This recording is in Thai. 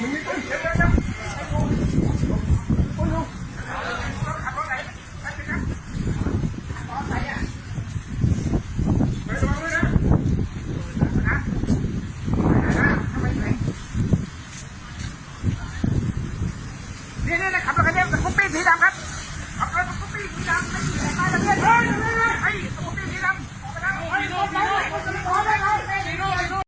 นี่มันยังมีเวลาจากเข้าใจป่ะเพราะว่ามันหว่างปื้น